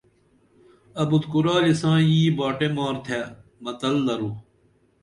ابُت کُرالی سائں یی باٹے مارتھے متل درو